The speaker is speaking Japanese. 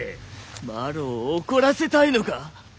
まろを怒らせたいのか？